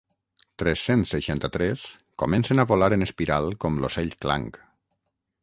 Tres-cents seixanta-tres comencen a volar en espiral com l'ocell Clang.